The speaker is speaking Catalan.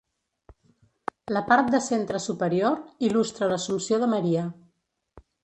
La part de centre superior il·lustra l'Assumpció de Maria.